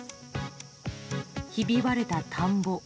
ひび割れた田んぼ。